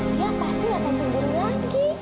dia pasti akan cemburu lagi